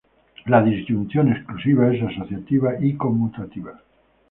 La disyunción exclusiva es asociativa y conmutativa.